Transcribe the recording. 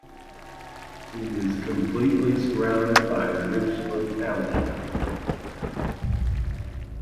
It is completely surrounded by Richland Township.